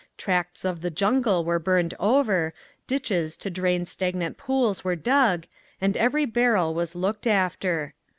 Tracts of the jungle were burned over, ditches to drain stagnant pools were dug, and every barrel was looked after.